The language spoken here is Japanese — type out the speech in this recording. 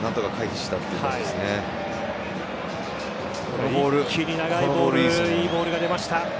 一気に長いボールいいボールが出ました。